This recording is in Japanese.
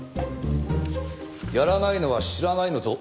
やらないのは知らないのと同じだぞ。